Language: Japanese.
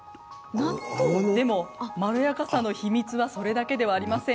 でもまろやかさの秘密はそれだけではありません。